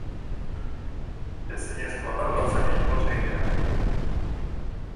Ezinezkoa da udaltzainei hots egitea.